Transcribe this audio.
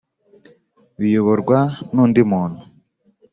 Biyoborwa n undi muntu